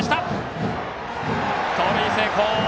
盗塁成功。